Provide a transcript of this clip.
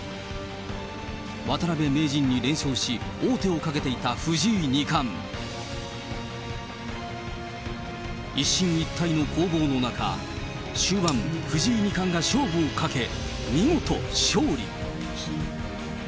渡辺名人に連勝し、王手をかけていた藤井二冠。一進一退の攻防の中、終盤、藤井二冠が勝負をかけ、見事、勝利。